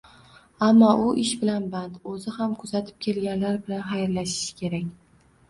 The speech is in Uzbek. Ammo u ish bilan band, o'zi ham quzatib kelganlar bilan xayrlashishi kerak.